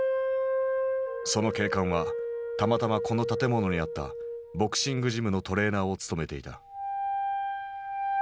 その警官はたまたまこの建物にあったボクシングジムのトレーナーを務めていた。